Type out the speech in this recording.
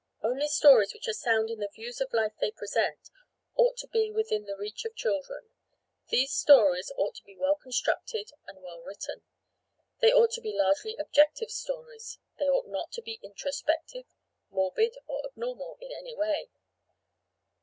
Only stories which are sound in the views of life they present ought to be within the reach of children; these stories ought to be well constructed and well written; they ought to be largely objective stories; they ought not to be introspective, morbid or abnormal in any way.